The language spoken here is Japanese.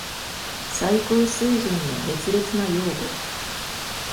最高水準の熱烈な擁護。